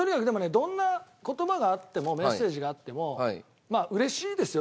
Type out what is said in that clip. どんな言葉があってもメッセージがあっても嬉しいですよ